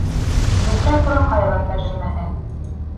Зөһрә Бураҡаева тәржемәһе